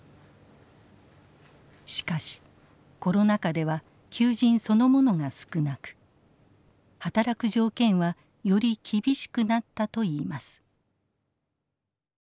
しかしコロナ禍では求人そのものが少なく働く条件はより厳しくなったといいます。